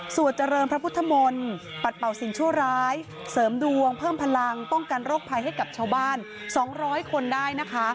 เจริญพระพุทธมนตร์ปัดเป่าสิ่งชั่วร้ายเสริมดวงเพิ่มพลังป้องกันโรคภัยให้กับชาวบ้าน๒๐๐คนได้นะคะ